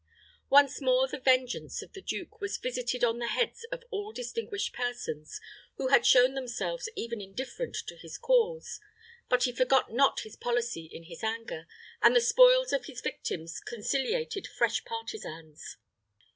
Once more the vengeance of the duke was visited on the heads of all distinguished persons who had shown themselves even indifferent to his cause; but he forgot not his policy in his anger, and the spoils of his victims conciliated fresh partisans.